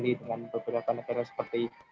dengan beberapa negara seperti